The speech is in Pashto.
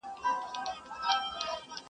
• ونو هسي هم د وینو رنګ اخیستی -